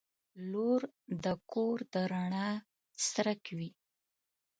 • لور د کور د رڼا څرک وي.